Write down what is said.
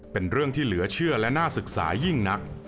เป็นเรื่องที่เหลือเชื่อและน่าศึกษายิ่งนัก